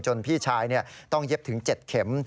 พี่ชายต้องเย็บถึง๗เข็ม